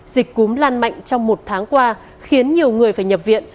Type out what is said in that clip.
dịch cúm lan mạnh trong một tháng qua khiến nhiều người phải nhập viện